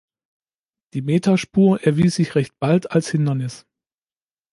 Die Meterspur erwies sich recht bald als Hindernis.